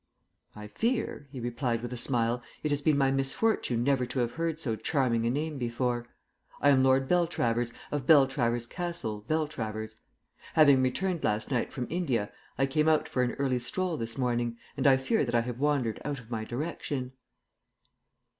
"I fear," he replied with a smile, "it has been my misfortune never to have heard so charming a name before. I am Lord Beltravers, of Beltravers Castle, Beltravers. Having returned last night from India I came out for an early stroll this morning, and I fear that I have wandered out of my direction."